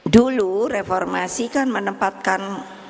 dulu reformasi kan menempatkan